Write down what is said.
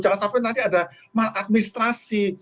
jangan sampai nanti ada mal administrasi